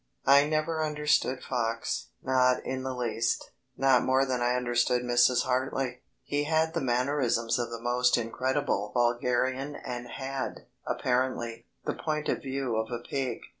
I never understood Fox not in the least, not more than I understood Mrs. Hartly. He had the mannerisms of the most incredible vulgarian and had, apparently, the point of view of a pig.